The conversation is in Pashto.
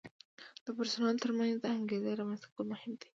د پرسونل ترمنځ د انګیزې رامنځته کول مهم دي.